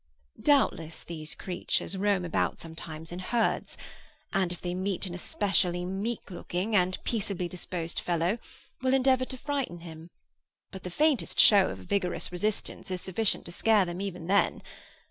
Doubtless these creatures roam about sometimes in herds, and, if they meet any especially meek looking and peaceably disposed fellow, will endeavour to frighten him; but the faintest show of a vigorous resistance is sufficient to scare them even then.